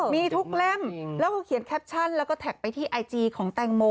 มีทุกเล่มแล้วก็เขียนแคปชั่นแล้วก็แท็กไปที่ไอจีของแตงโม